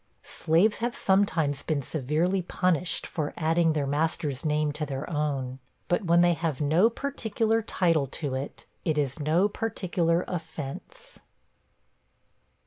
Slaves have sometimes been severely punished for adding their master's name to their own. But when they have no particular title to it, it is no particular offence.